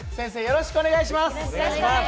よろしくお願いします。